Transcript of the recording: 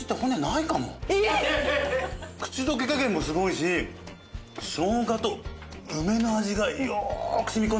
口溶け加減もすごいし生姜と梅の味がよーく染み込んでますね。